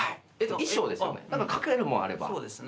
衣装ですよね？